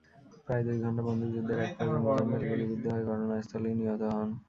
প্রায় দুই ঘণ্টা বন্দুকযুদ্ধের একপর্যায়ে মোজাম্মেল গুলিবিদ্ধ হয়ে ঘটনাস্থলেই নিহত হন।